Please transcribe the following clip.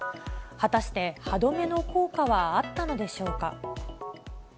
果たして、歯止めの効果はあったのでしょうか。